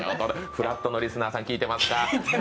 「＃ふらっと」のリスナーさん聞いてますか？